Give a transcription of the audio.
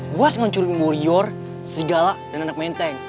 buat ngancurin warrior serigala dan anak menteng